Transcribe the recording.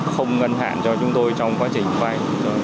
không ngân hạn cho chúng tôi trong quá trình vay